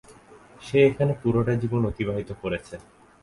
সে এখানে পুরোটা জীবন অতিবাহিত করেছে।